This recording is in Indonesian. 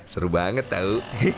seru banget tau